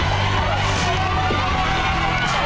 เยี่ยม